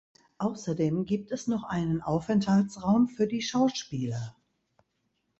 Außerdem gibt es noch einen Aufenthaltsraum für die Schauspieler.